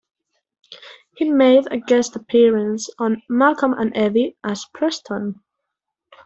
He made a guest appearance on "Malcolm and Eddie" as Preston.